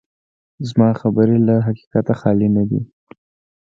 زما خبرې له حقیقته خالي نه دي.